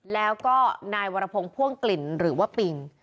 แล้วก็นายวรพงศ์พ่วงกลิ่นหรือว่าปิง